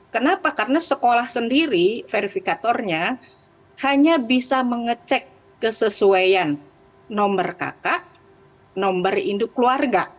kenapa karena sekolah sendiri verifikatornya hanya bisa mengecek kesesuaian nomor kakak nomor induk keluarga